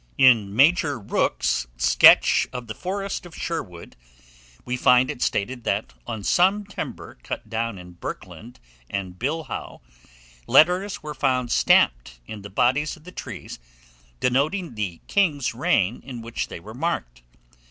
In Major Rooke's "Sketch of the forest of Sherwood" we find it stated that, on some timber cut down in Berkland and Bilhaugh, letters were found stamped in the bodies of the trees, denoting the king's reign in which they were marked.